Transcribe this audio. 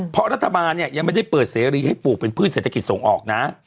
เพราะรัฐบาลเนี่ยยังไม่ได้เปิดเสรีให้ปลูกเป็นพืชเศรษฐกิจส่งออกนะ